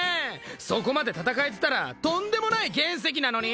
そこまで戦えてたらとんでもない原石なのに！